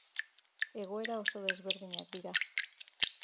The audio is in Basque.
Egoera oso desberdinak dira.